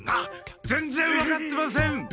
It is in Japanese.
ぜんぜん分かってません！